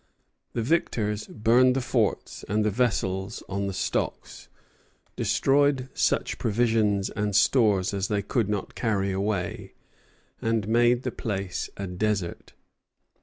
The victors burned the forts and the vessels on the stocks, destroyed such provisions and stores as they could not carry away, and made the place a desert.